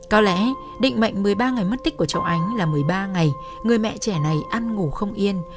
có lẽ định mệnh một mươi ba ngày mất tích của cháu ánh là một mươi ba ngày người mẹ trẻ này ăn ngủ không yên